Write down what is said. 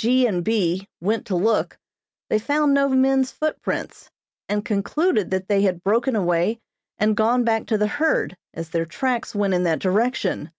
G. and B. went to look, they found no men's footprints, and concluded that they had broken away and gone back to the herd, as their tracks went in that direction.